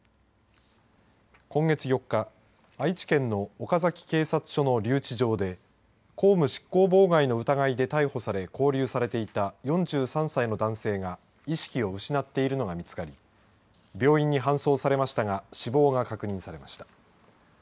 今月４日愛知県の岡崎警察署の留置場で公務執行妨害の疑いで逮捕され勾留されていた４３歳の男性が意識を失っているのが見つかり病院に搬送されましたが死亡が確認されました。